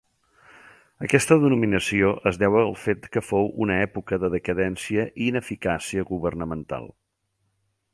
Aquesta denominació es deu al fet que fou una època de decadència i ineficàcia governamental.